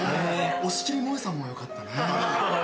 押切もえさんもよかったね。